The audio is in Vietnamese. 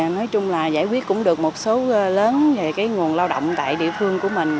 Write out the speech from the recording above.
nói chung là giải quyết cũng được một số lớn về nguồn lao động tại địa phương của mình